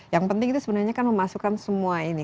yang penting itu sebenarnya kan memasukkan semua ini